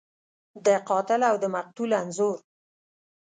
د قاتل او د مقتول انځور